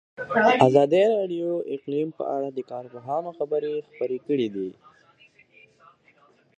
ازادي راډیو د اقلیم په اړه د کارپوهانو خبرې خپرې کړي.